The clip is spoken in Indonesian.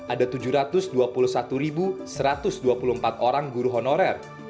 ada tujuh ratus dua puluh satu satu ratus dua puluh empat orang guru honorer